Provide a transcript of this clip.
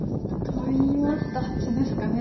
といいますとあっちですかね。